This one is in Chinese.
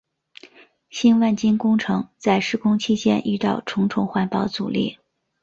新万金工程在施工期间遇到重重环保阻力。